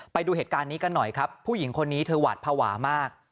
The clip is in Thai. ไปดูเหตุการณ์นี้กันหน่อยครับผู้หญิงคนนี้เธอหวาดภาวะมาก